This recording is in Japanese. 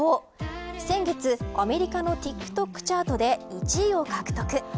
先月、アメリカのＴｉｋＴｏｋチャートで１位を獲得。